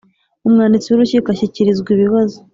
umwanditsi w urukiko ashyikirizwa ibibazo